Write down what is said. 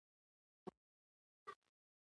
د اورېدلو له قراره د زمزم له کوهي سره.